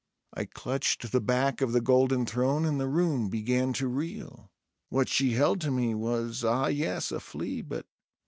I clutched the back of the golden throne, and the room began to reel ... What she held to me was, ah yes! a flea, but